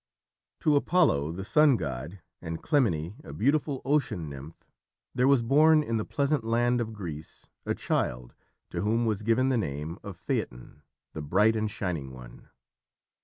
To Apollo, the sun god, and Clymene, a beautiful ocean nymph, there was born in the pleasant land of Greece a child to whom was given the name of Phaeton, the Bright and Shining One.